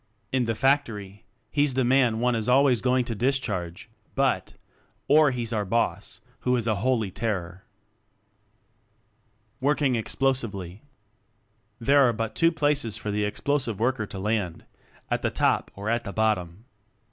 In the factory, he's the man one is always going to discharge, but ... Or he's our Boss, who is "a Holy Ter kror." Working Explosively. There are but two places for the Explosive Worker to land at the top or at the bottom.